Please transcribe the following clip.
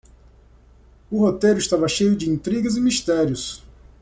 O roteiro estava cheio de intrigas e mistérios.